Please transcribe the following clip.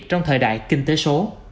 trong thời đại việt nam